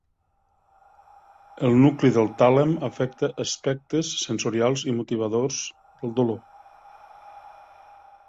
El nucli del tàlem afecta aspectes sensorials i motivadores del dolor.